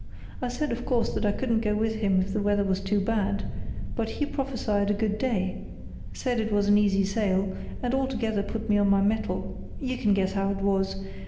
I said, of course, that I couldn't go with him if the weather was too bad, but he prophesied a good day, said it was an easy sail, and altogether put me on my mettle. You can guess how it was.